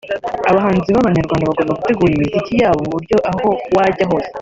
Abahanzi b’abanyarwanda bagomba gutegura imiziki yabo mu buryo aho wajya hose